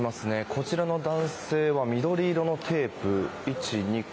こちらの男性は緑色のテープ２個。